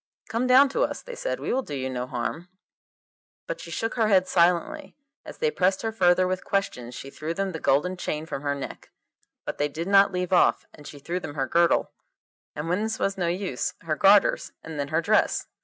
'Come down to us,' they said, 'we will do you no harm.' But she shook her head silently. As they pressed her further with questions, she threw them the golden chain from her neck. But they did not leave off, and she threw them her girdle, and when this was no use, her garters, and then her dress.